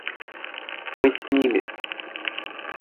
Мы с ними.